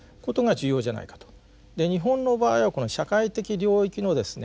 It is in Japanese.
で日本の場合はこの社会的領域のですね